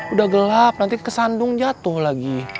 udah gelap nanti kesandung jatuh lagi